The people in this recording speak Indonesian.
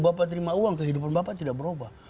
bapak terima uang kehidupan bapak tidak berubah